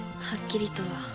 はっきりとは。